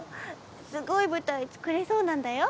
すごい舞台作れそうなんだよ！